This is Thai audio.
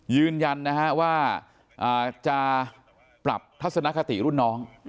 ยืนยันนะฮะว่าจะปรับทัศนคติรุ่นน้อง